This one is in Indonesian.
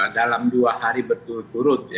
dalam dua hari berturut turut